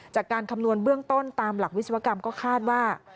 คำนวณเบื้องต้นตามหลักวิศวกรรมก็คาดว่า